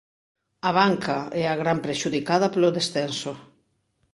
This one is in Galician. A banca é a gran prexudicada polo descenso.